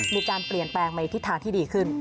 มีการเปลี่ยนแปลงในทิศทางที่ดีขึ้น